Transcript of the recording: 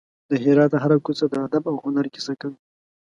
د هرات هره کوڅه د ادب او هنر کیسه کوي.